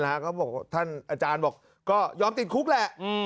แหละฮะเขาบอกท่านอาจารย์บอกก็ยอมติดคุกแหละอืม